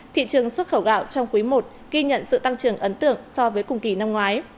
thị trường xuất khẩu gạo trong quý i ghi nhận sự tăng trưởng ấn tượng so với cùng kỳ năm ngoái